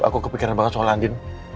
aku kepikiran banget soal andin